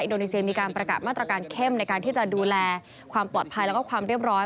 โดนีเซียมีการประกาศมาตรการเข้มในการที่จะดูแลความปลอดภัยแล้วก็ความเรียบร้อย